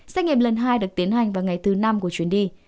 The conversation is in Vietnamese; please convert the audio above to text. xét nghiệm lần hai được tiến hành vào ngày thứ năm của chuyến đi